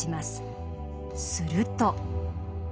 すると。